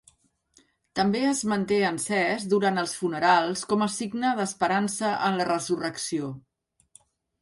També es manté encès durant els funerals com a signe d'esperança en la resurrecció.